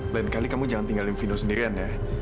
lain kali kamu jangan tinggalin vino sendirian ya